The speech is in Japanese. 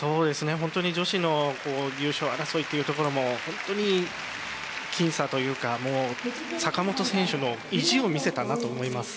本当に女子の優勝争いというところも本当に僅差というか坂本選手の意地を見せたなと思います。